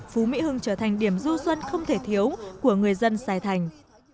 phú mỹ hưng trở thành điểm du xuân không thể thiếu của người dân sài thành